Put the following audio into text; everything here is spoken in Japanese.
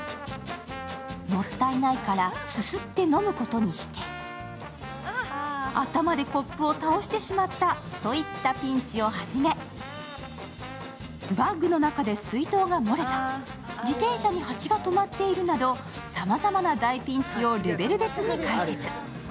もったいないからすすって飲むことにして、頭でコップを倒してしまったというピンチを初めバッグの中で水筒が漏れた、自転車に蜂が止まっているなど、さまざまな大ピンチをレベル別に解説。